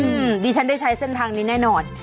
อืมดิฉันได้ใช้เส้นทางนี้แน่นอน